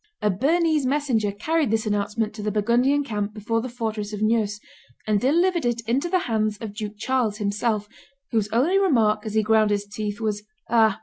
A Bernese messenger carried this announcement to the Burgundian camp before the fortress of Neuss, and delivered it into the hands of Duke Charles himself, whose only remark, as he ground his teeth, was, "Ah!